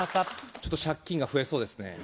ちょっと借金が増えそうですね